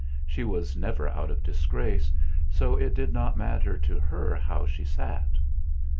She was never out of disgrace, so it did not matter to her how she sat.